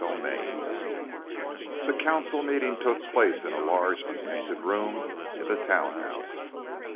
VI The council meeting took place in a large, unpainted room in the townhouse.